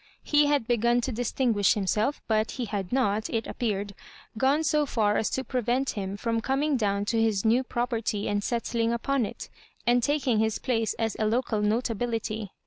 He had began to distinguish himself, but he had not, it appeared, gone so far as to prevent him from coming down to his new property and settling upon it, and taking his place as a local nota bility.